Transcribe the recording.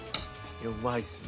うまいっすね。